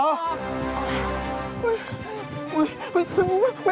โอ้โฮ